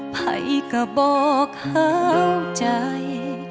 ใครก็บอกเข้าใจ